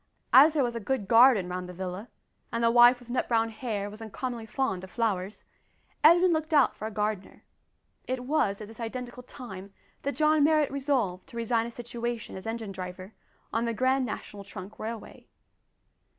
As there was a good garden round the villa, and the wife with nut brown hair was uncommonly fond of flowers, Edwin looked out for a gardener. It was at this identical time that John Marrot resolved to resign his situation as engine driver on the Grand National Trunk Railway.